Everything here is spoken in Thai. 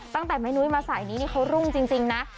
ตั้งแต่แม่นุ้ยมาสายนี้นี่เขารุ่งจริงนะ